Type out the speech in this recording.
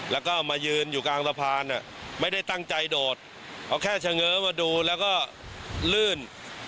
แล้วก็มายืนอยู่กลางสะพานไม่ได้ตั้งใจโดดเอาแค่เฉง้อมาดูแล้วก็ลื่น